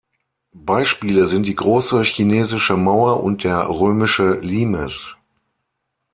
Beispiele sind die große Chinesische Mauer und der römische Limes.